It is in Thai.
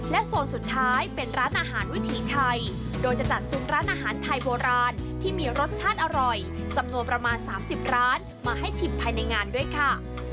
โซนสุดท้ายเป็นร้านอาหารวิถีไทยโดยจะจัดซุ้มร้านอาหารไทยโบราณที่มีรสชาติอร่อยจำนวนประมาณ๓๐ร้านมาให้ชิมภายในงานด้วยค่ะ